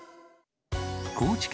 高知県